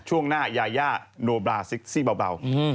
ช่วงหน้ายายาโนบราซิกซี่เบา